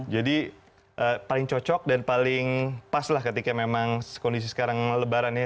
jadi paling cocok dan paling pas lah ketika memang kondisi sekarang lebaran ya